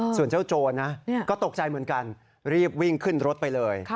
ส่วนเจ้าโจรนะก็ตกใจเหมือนกันรีบวิ่งขึ้นรถไปเลย